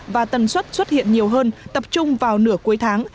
và tần suất xuất hiện nhiều hơn tập trung vào nửa cuối tháng